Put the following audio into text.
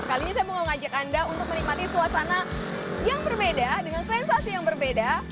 kali ini saya mau ngajak anda untuk menikmati suasana yang berbeda dengan sensasi yang berbeda